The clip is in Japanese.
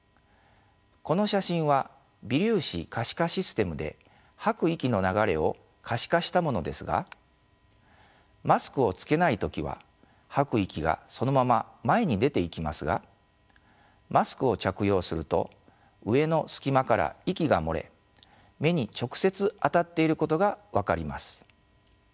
この写真は微粒子可視化システムで吐く息の流れを可視化したものですがマスクをつけない時は吐く息がそのまま前に出ていきますがマスクを着用すると上の隙間から息が漏れ目に直接当たっていることが分かります。